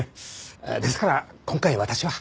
ですから今回私は。